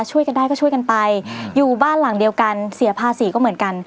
ช่วยกันได้ก็ช่วยกันไปอยู่บ้านหลังเดียวกันเสียภาษีก็เหมือนกัน